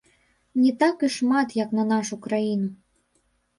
Не так і шмат, як на нашу краіну.